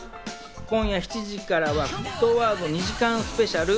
今夜７時からは『沸騰ワード』２時間スペシャル。